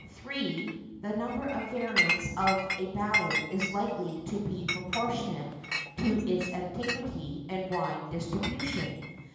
(3) The number of variants of a ballad is likely to be proportionate to its antiquity and wide distribution.